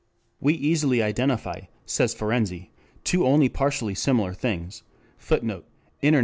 We easily identify, says Ferenczi, two only partially similar things: [Footnote: Internat.